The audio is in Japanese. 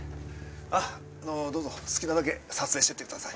あっどうぞ好きなだけ撮影していってください。